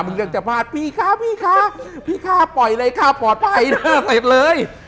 มึงยังจะพาดพี่ข้าพี่ข้าพี่ข้าปล่อยเลยข้าปลอดภัยเสร็จเลย